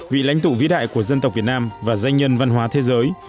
vị lãnh tụ vĩ đại của dân tộc việt nam và danh nhân văn hóa thế giới